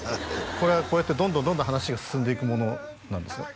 これはこうやってどんどんどんどん話が進んでいくものなんですか？